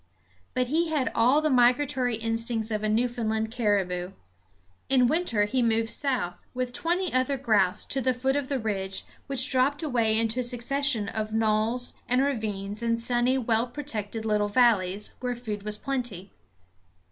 But he had all the migratory instincts of a Newfoundland caribou. In winter he moved south, with twenty other grouse, to the foot of the ridge, which dropped away into a succession of knolls and ravines and sunny, well protected little valleys, where food was plenty.